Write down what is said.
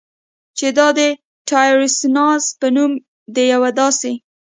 چې دا د ټایروسیناز په نوم د یوه داسې